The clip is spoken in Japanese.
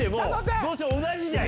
どうせ同じじゃん。